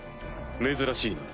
珍しいな。